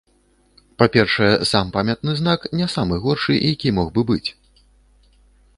Па-першае, сам памятны знак не самы горшы, які мог бы быць.